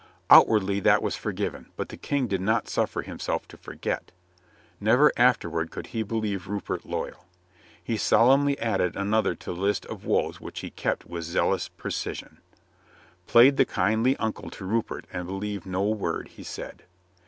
Outwardly that was forgiven, but the King did not suffer himself to forget. Never afterward could he believe Rupert loyal. He sol emnly added another to the list of woes which he kept with zealous precision : played the kindly uncle to Rupert and believed no word he said.